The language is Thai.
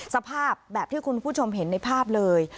สภาพแบบที่คุณผู้ชมเห็นในภาพเลย